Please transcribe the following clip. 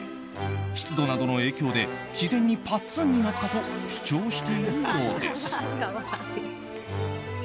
湿度などの影響で自然にぱっつんになったと主張しているようです。